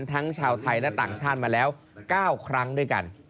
ทั้งชาวไทยและต่างชาติมาแล้ว๙ครั้งด้วยกัน